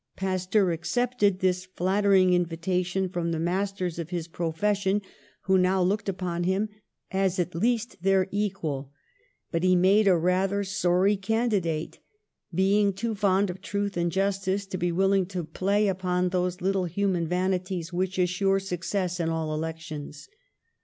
Pasteur accepted this flat tering invitation from the masters of his pro ON THE ROAD TO FAME 51 fession, who now looked upon him as at least their equal, but he made a rather sorry candi date, being too fond of truth and justice to be willing to play upon those little human vani ties which assure success in all elections.